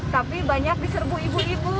tapi banyak diserbu ibu ibu